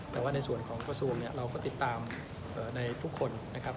แต่ว่าในส่วนของกระทรวงเนี่ยเราก็ติดตามในทุกคนนะครับ